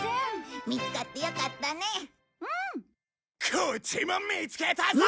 こっちも見つけたぞ！